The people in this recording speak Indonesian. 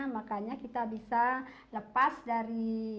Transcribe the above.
makanya kita bisa lepas dari